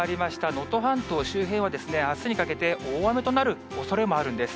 能登半島周辺は、あすにかけて大雨となるおそれもあるんです。